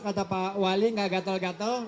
kata pak wali gak gatel gatel